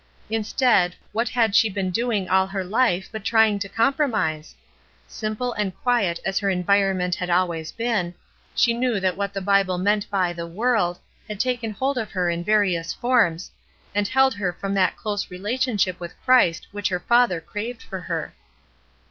Instead, what had she been doing all her life but trying to compromise? Simple and quiet as her environment had always been, she knew that what the Bible meant by 'Hhe world" had taken hold of her in various forms, and held her from that close fellowship with Christ which her father craved for her.